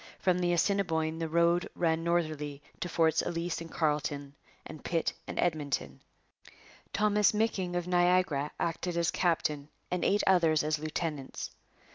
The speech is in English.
From the Assiniboine the road ran northerly to Forts Ellice and Carlton and Pitt and Edmonton. Thomas M'Micking of Niagara acted as captain and eight others as lieutenants.